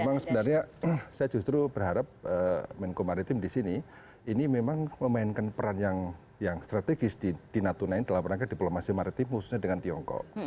memang sebenarnya saya justru berharap menko maritim di sini ini memang memainkan peran yang strategis di natuna ini dalam rangka diplomasi maritim khususnya dengan tiongkok